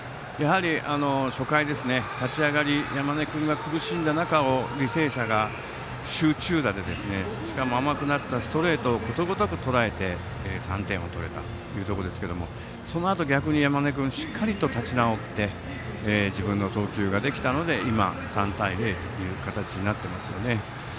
初回の立ち上がり山根君が苦しんだ中、履正社が集中打でしかも甘くなったストレートをことごとくとらえて３点を取れたということですがそのあと逆に山根君がしっかり立ち直って自分の投球ができたので、今３対０という形になっていますね。